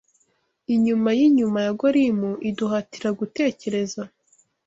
inyuma yinyuma ya Golimu iduhatira gutekereza